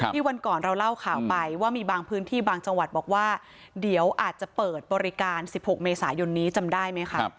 วันก่อนเราเล่าข่าวไปว่ามีบางพื้นที่บางจังหวัดบอกว่าเดี๋ยวอาจจะเปิดบริการ๑๖เมษายนนี้จำได้ไหมคะ